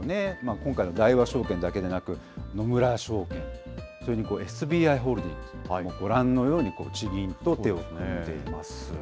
今回の大和証券だけでなく、野村證券、それにＳＢＩホールディングス、ご覧のように地銀と手を組んでいます。